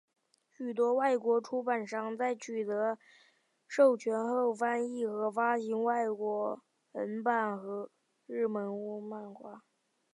许多外国出版商在取得授权后翻译和发行外文版日本漫画。